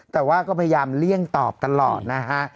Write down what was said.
แต่ว่าก็พยายามเลี่ยงตอบตลอดนะฮะ